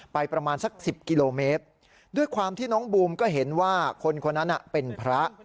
ประมาณสัก๑๐กิโลเมตรด้วยความที่น้องบูมก็เห็นว่าคนคนนั้นเป็นพระ